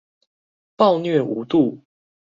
暴虐無度